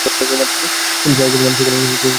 তিনি সারাজীবন মানুষের কল্যাণে কাজ করে গেছেন।